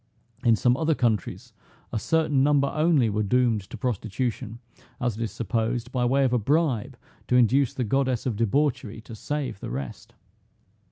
In some other countries, a certain number only were doomed to prostitution, as it is supposed, by way of a bribe, to induce the goddess of debauchery to save the rest.